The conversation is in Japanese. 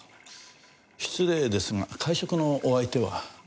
失礼ですが会食のお相手は？